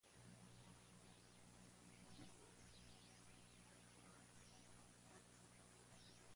Doherty-Sneddon sostiene, sin embargo, que este plazo sólo representa una norma general.